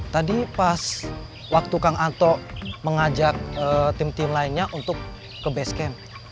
tadi pas waktu kang anto mengajak tim tim lainnya untuk ke base camp